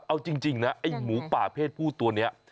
เอาจริงนะไอ้หมูป่าเพศผู้ตัวนี้